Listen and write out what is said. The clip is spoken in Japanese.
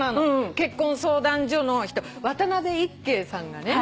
結婚相談所の人渡辺いっけいさんがね